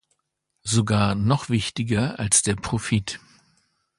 Sogar noch wichtiger als der Profit.